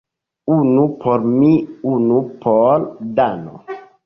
Unu por mi, unu por Dano.